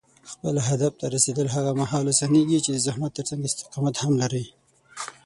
خپل هدف ته رسېدل هغه مهال اسانېږي چې د زحمت ترڅنګ استقامت هم لرې.